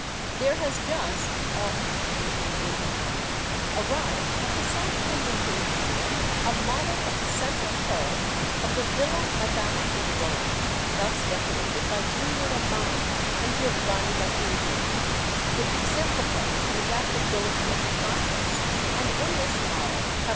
There has just (Autumn, 1889) arrived at the South Kensington Museum a model of the central hall of the Villa Madama in Rome, thus decorated by Giulio Romano and Giovanni da Udine, which exemplifies the adaptability of the process; and in this model Cav.